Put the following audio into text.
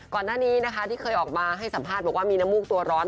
ก่อนหน้านี้นะคะที่เคยออกมาให้สัมภาษณ์บอกว่ามีน้ำมูกตัวร้อน